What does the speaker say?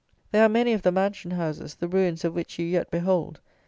There are many of the mansion houses, the ruins of which you yet behold.